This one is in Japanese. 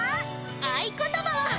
合言葉は！